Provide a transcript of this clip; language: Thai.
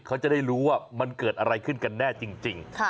เขาจะได้รู้ว่ามันเกิดอะไรขึ้นกันแน่จริง